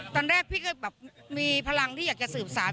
ตอนแรกพี่ก็แบบมีพลังที่อยากจะสืบสาร